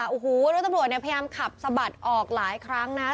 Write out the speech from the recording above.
โอ้โหรถตำรวจเนี่ยพยายามขับสะบัดออกหลายครั้งนะครับ